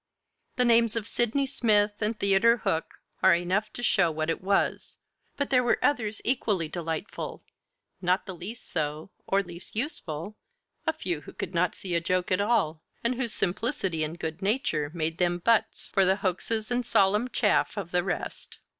The names of Sydney Smith and Theodore Hook are enough to show what it was; but there were others equally delightful, not the least so, or least useful, a few who could not see a joke at all, and whose simplicity and good nature made them butts for the hoaxes and solemn chaff of the rest.